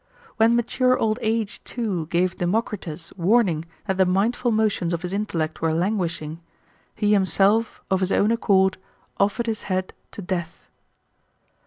When mature old age, too,' gave Democritus warning that the mindful motions^ of his intellect were languishing, he him self, of his own accord, offered his head to death.